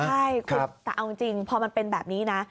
ใช่คุณแต่เอาจริงพอมันเป็นแบบนี้นะ